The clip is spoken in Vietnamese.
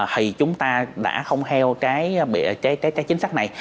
thì chúng ta đã không theo cái chính sách này